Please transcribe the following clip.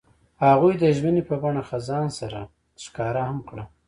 هغوی د ژمنې په بڼه خزان سره ښکاره هم کړه.